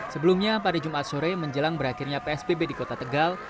sebelumnya pada jumat sore menjelang berakhirnya psbb di kota tegal